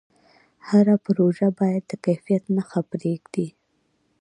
هر پروژه باید د کیفیت نښه پرېږدي.